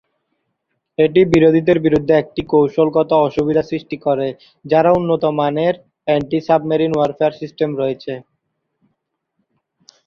এটি বিরোধীদের বিরুদ্ধে একটি কৌশলগত অসুবিধা সৃষ্টি করে যারা উন্নতমানের এন্টি-সাবমেরিন ওয়ারফেয়ার সিস্টেম রয়েছে।